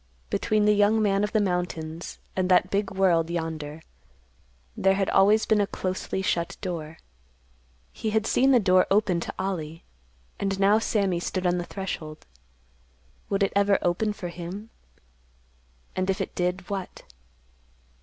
Between the young man of the mountains and that big world yonder there had always been a closely shut door. He had seen the door open to Ollie, and now Sammy stood on the threshold. Would it ever open for him? And, if it did, what?